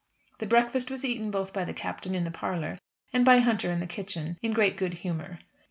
The breakfast was eaten both by the Captain in the parlour and by Hunter in the kitchen in great good humour.